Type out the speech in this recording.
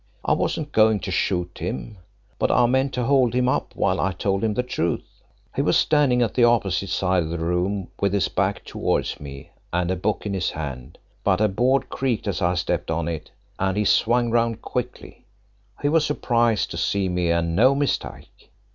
I wasn't going to shoot him, but I meant to hold him up while I told him the truth. "He was standing at the opposite side of the room with his back towards me and a book in his hand, but a board creaked as I stepped on it, and he swung round quickly. He was surprised to see me, and no mistake.